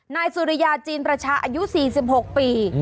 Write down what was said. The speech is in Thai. นายสุริยาจีนประชาอายุ๔๖ปี